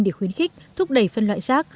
để khuyến khích thúc đẩy phân loại rác